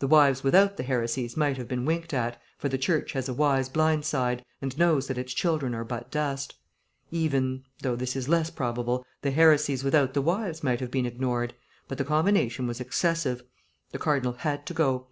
The wives without the heresies might have been winked at, for the Church has a wise blind side and knows that its children are but dust; even (though this is less probable) the heresies without the wives might have been ignored; but the combination was excessive. The cardinal had to go.